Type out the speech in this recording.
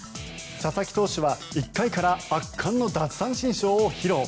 佐々木投手は１回から圧巻の奪三振ショーを披露。